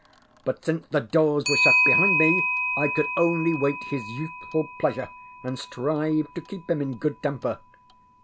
But since the doors were shut behind me I could only wait his youthful pleasure and strive to keep him in good temper.